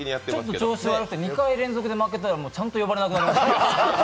ちょっと調子悪くて、２回連続で負けたら、ちゃんと呼ばれなくなりました、